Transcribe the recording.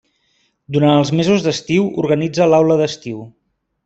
Durant els mesos d'estiu organitza l'Aula d'Estiu.